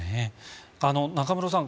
中室さん